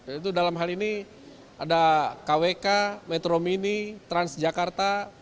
yaitu dalam hal ini ada kwk metro mini transjakarta